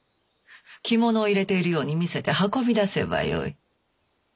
着物を入れているように見せて運び出せばよい。